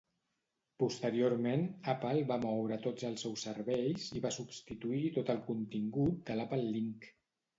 Posteriorment Apple va moure tots els seus serveis i va substituir tot el contingut de l'AppleLink.